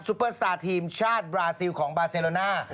เปอร์สตาร์ทีมชาติบราซิลของบาเซโลน่า